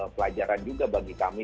pelajaran juga bagi kami